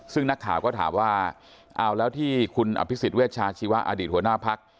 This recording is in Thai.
ซึ่งนักข่าวก็ถามว่าเอาแล้วที่คุณอภิษฎเวชาชีวะอดีตหัวหน้าพัก